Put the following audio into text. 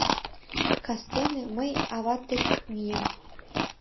Кастене мый ават дек мием.